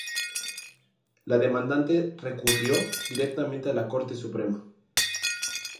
La demandante recurrió directamente a la Corte Suprema.